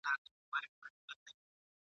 چي نه ترنګ وي نه مستي وي هغه ښار مي در بخښلی ..